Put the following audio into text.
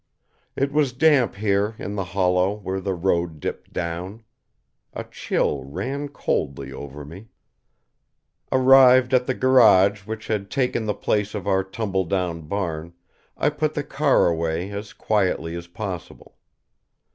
_" It was damp here in the hollow where the road dipped down. A chill ran coldly over me. Arrived at the garage which had taken the place of our tumble down barn, I put the car away as quietly as possible.